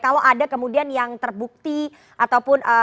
kalau ada kemudian yang terbukti ataupun